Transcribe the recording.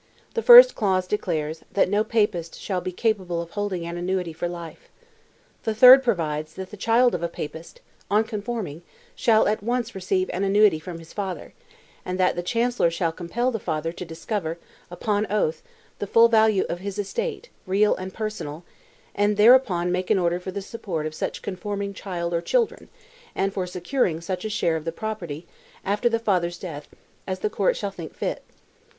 The first clause declares, that no Papist shall be capable of holding an annuity for life. The third provides, that the child of a Papist, on conforming, shall at once receive an annuity from his father; and that the Chancellor shall compel the father to discover, upon oath, the full value of his estate, real and personal, and thereupon make an order for the support of such conforming child or children, and for securing such a share of the property, after the father's death, as the court shall think fit.